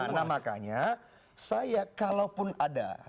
nah makanya saya kalaupun ada